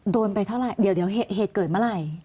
โดนไปเท่าไหร่เดี๋ยวเหตุเกิดเมื่อไหร่